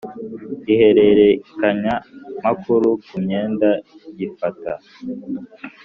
ihererekanyamakuru ku myenda gifata